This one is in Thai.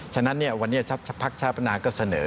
ฉะนั้นเนี่ยวันนี้ชาติพัฒนาก็เสนอ